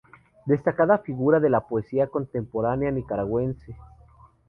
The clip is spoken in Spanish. Destacada figura de la poesía contemporánea nicaragüense.